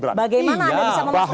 bagaimana anda bisa memastikan